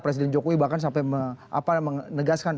presiden jokowi bahkan sampai menegaskan